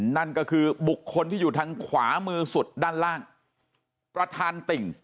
นั่นก็คือบุคคลที่อยู่ทางขวามือสุดด้านล่างประธานติ่ง